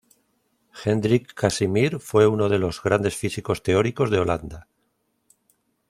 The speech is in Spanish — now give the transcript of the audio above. Hendrik Casimir fue uno de los grandes físicos teóricos de Holanda.